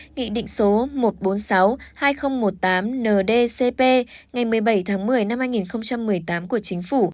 nghị định số một trăm bốn mươi sáu hai nghìn một mươi tám ndcp ngày một mươi bảy tháng một mươi năm hai nghìn một mươi tám của chính phủ